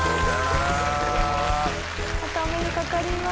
またお目にかかります。